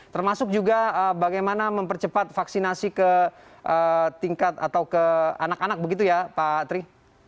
termasuk juga bagaimana mempercepat vaksinasi ke tingkat atau ke anak anak begitu ya pak tri